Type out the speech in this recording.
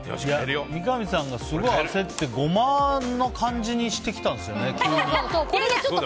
三上さんが、すごい焦ってゴマの感じにしてきたんですよね、急に。